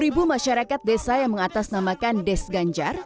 dua puluh ribu masyarakat desa yang mengatasnamakan des ganjar